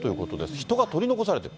人が取り残されている。